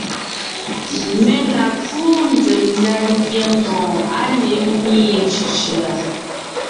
Mé la kúu nzsèm ndá ńgyɛ́ mbɔ̀ɔn á ne ḿmi cʉ̀cʉ̀a;